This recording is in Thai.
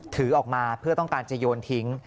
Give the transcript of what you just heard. ถือออกมาเพื่อต้องการจะโยนทิ้ง